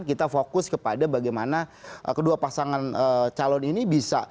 kita fokus kepada bagaimana kedua pasangan calon ini bisa